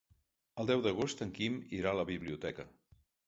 El deu d'agost en Guim irà a la biblioteca.